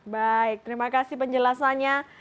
baik terima kasih penjelasannya